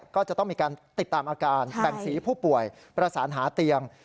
ก็จะต้องมีการติดตามอาการแบ่งสีผู้ป่วยประสานหาเตียง